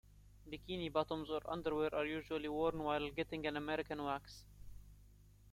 Bikini bottoms or underwear are usually worn while getting an American wax.